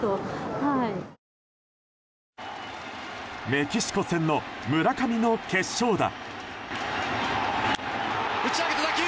メキシコ戦の村上の決勝打。